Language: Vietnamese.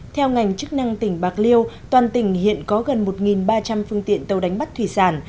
theo ngành chức năng tỉnh bạc liêu toàn tỉnh hiện có gần một ba trăm linh phương tiện tàu đánh bắt thủy sản